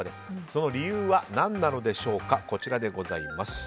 その理由は何なのでしょうか。